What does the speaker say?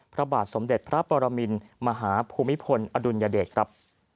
พระบาทสมเด็จพระปรมินมหาภูมิพลอดุลยเดชครับ